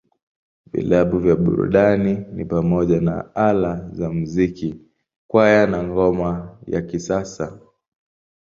Vilabu vya burudani ni pamoja na Ala za Muziki, Kwaya, na Ngoma ya Kisasa.